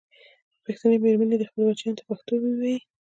پښتنې مېرمنې دې خپلو بچیانو ته پښتو ویې ویي.